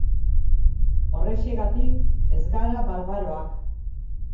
Horrexegatik, ez gara barbaroak.